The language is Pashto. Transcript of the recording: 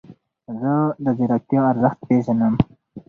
زه د ځیرکتیا ارزښت پیژنم.